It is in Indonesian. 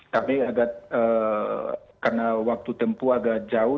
tapi karena waktu tempuh agak jauh